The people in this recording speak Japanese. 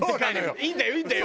「いいんだよいいんだよ」。